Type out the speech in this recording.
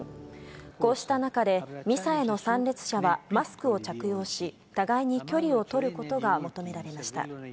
こうした中で、ミサへの参列者はマスクを着用し、互いに距離を取ることが求められました。